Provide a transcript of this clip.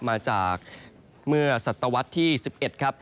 มาจากเมื่อศตวรรษที่๑๑ครับ